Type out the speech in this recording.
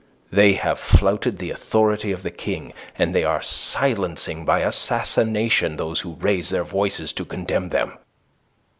They have flouted the authority of the King, and they are silencing by assassination those who raise their voices to condemn them.